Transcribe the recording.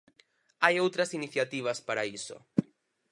Hai outras iniciativas para iso.